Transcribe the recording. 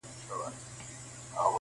سرلوړى مي دئ د قام او د زامنو-